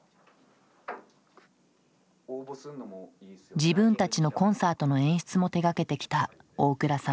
自分たちのコンサートの演出も手がけてきた大倉さん。